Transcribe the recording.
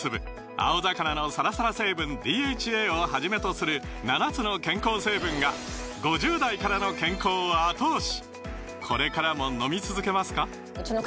青魚のサラサラ成分ＤＨＡをはじめとする７つの健康成分が５０代からの健康を後押し！